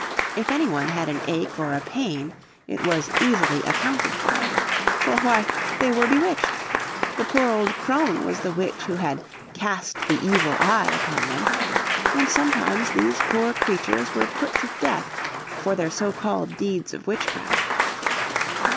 If any one had an ache or a pain it was easily accounted for. For why, they were bewitched! The poor old crone was the witch who had "cast the evil eye" upon them. And sometimes these poor creatures were put to death for their so called deeds of witchcraft.